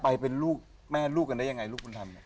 ไปเป็นลูกแม่ลูกกันได้ยังไงลูกคุณทำเนี่ย